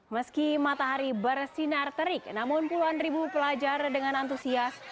meski matahari bersinar terik namun puluhan ribu pelajar dengan antusias